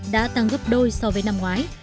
đôi so với năm ngoái